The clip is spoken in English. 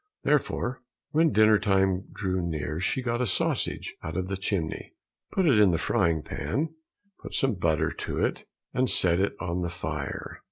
Therefore when dinner time drew near she got a sausage out of the chimney, put it in the frying pan, put some butter to it, and set it on the fire.